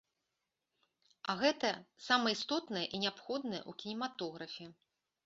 А гэта самае істотнае і неабходнае ў кінематографе.